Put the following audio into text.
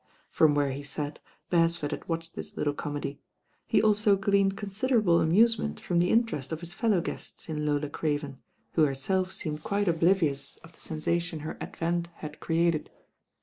From where he sat, Bcresford had watched this little comedy. He also gleaned considerable amuse ment from the Interest of his fellow guests In I ola Craven; who herself seemed quite oblivious of the sensation her advent had created.